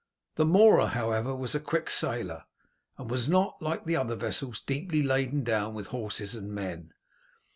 The Mora, however, was a quick sailer, and was not, like the other vessels, deeply laden down with horses and men.